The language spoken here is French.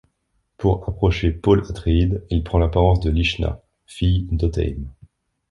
Pour approcher Paul Atréides, il prend l’apparence de Lichna, fille d’Otheym.